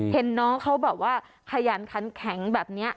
เห็นน้องเขาแบบว่าขยันขันแข็งแบบนี้